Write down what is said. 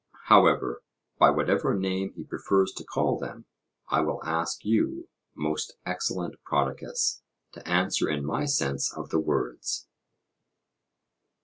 However, by whatever name he prefers to call them, I will ask you, most excellent Prodicus, to answer in my sense of the words.